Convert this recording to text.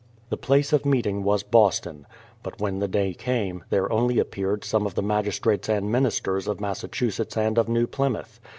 The place of meeting was Boston. But when the day came, there only appeared some of the magistrates and ministers of Massachusetts and of New Plymouth.